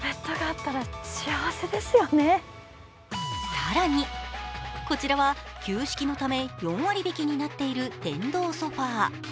更に、こちらは旧式のため４割引になっている電動ソファー。